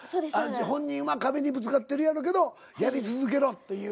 本人は壁にぶつかってるやろうけどやり続けろっていう。